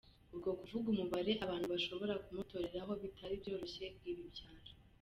ubwo kuvuga umubare abantu bashobora kumutoreraho bitari byoroshye, ibi byaje.